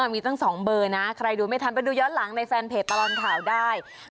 มีตั้ง๒เบอร์นะใครดูไม่ทันไปดูย้อนหลังในแฟนเพจตลอดข่าวได้